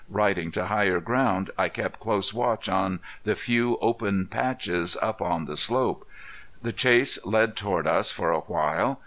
Riding to higher ground I kept close watch on the few open patches up on the slope. The chase led toward us for a while.